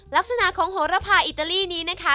ลักษณะของโหระพาอิตาลีนี้นะคะ